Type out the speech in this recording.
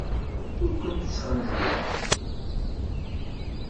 Ur kent-sxenzireɣ.